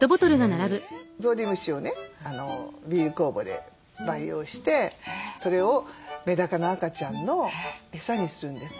ゾウリムシをねビール酵母で培養してそれをメダカの赤ちゃんのエサにするんです。